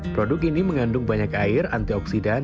produk ini mengandung banyak air antioksidan